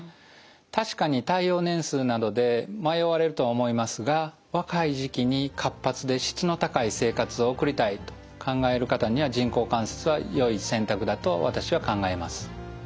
確かに耐用年数などで迷われるとは思いますが若い時期に活発で質の高い生活を送りたいと考える方には人工関節はよい選択だと私は考えます。